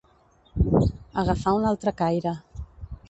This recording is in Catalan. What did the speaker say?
Agafar un altre caire.